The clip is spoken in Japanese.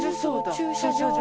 駐車場。